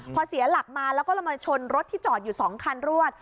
พอเสียหลักมาแล้วก็เลยมาชนรถที่จอดอยู่๒คันรวด